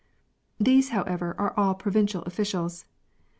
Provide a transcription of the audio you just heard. These, however, are all provincial officials.